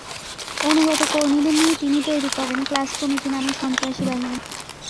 অনুগত কর্মীদের নিয়ে তিনি তৈরি করেন ক্লাস কমিটি নামের সন্ত্রাসী বাহিনী।